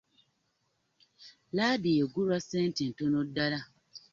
Laadiyo eggulwa ssente ntono ddala.